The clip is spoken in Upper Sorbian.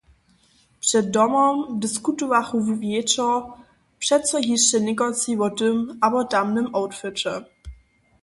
Před domom diskutowachu wječor přeco hišće někotři wo tym abo tamnym outfiće.